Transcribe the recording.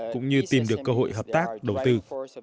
cũng như tìm được cơ hội hợp tác đầu tư